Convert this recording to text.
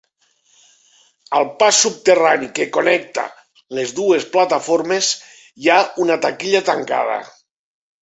Al pas subterrani que connecta les dues plataformes hi ha una taquilla tancada.